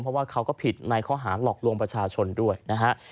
เพราะว่าเขาก็ผิดในข้อหาหลอกลวงประชาชนด้วยนะฮะ